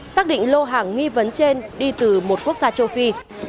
xác định lô hàng nghi vấn trên đi từ một quốc gia châu phi